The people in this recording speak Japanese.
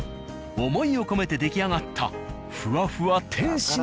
思いを込めて出来上がった。